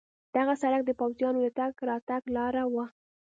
دغه سړک د پوځیانو د تګ راتګ لار وه.